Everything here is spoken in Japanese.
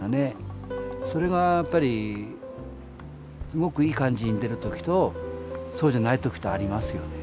それがやっぱりすごくいい感じに出る時とそうじゃない時とありますよね。